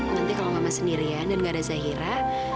nanti kalau mama sendirian dan gak ada zahira